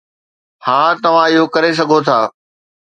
ها، توهان اهو ڪري سگهو ٿا.